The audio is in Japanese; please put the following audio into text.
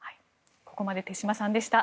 ここまで手嶋さんでした。